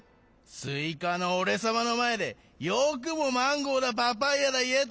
すいかのおれさまのまえでよくもマンゴーだパパイアだいえたもんだな。